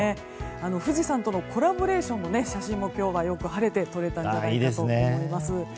富士山とのコラボレーションの写真も今日はよく晴れて撮れたんじゃないかと思います。